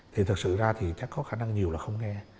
thì thật sự ra thì chắc có khả năng nhiều là không nghe